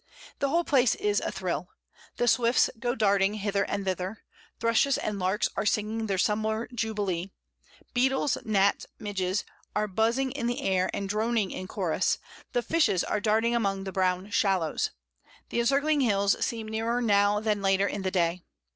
The whole place is athrill: the swifts go darting hither and thither; thrushes and larks are singing their summer jubilee; beetles, gnats, midges, are buzzing in the air and droning in chorus; the fishes are darting among the brown shallows. The encircling hills seem nearer now than later in the day.